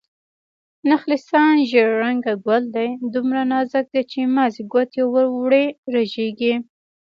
نخلستان: زيړ رنګه ګل دی، دومره نازک دی چې مازې ګوتې ور وړې رژيږي